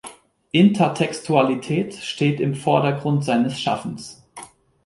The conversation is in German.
Intertextualität steht im Vordergrund seines Schaffens.